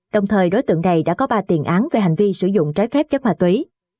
đồng thời đối tượng này đã có ba tiền án về hành vi sử dụng trái phép chất ma túy